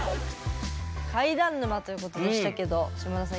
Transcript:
怪談沼ということでしたけど島田さん